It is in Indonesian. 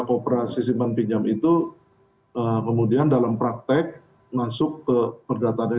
kooperasi simpan pinjam itu kemudian dalam praktek masuk ke perdataan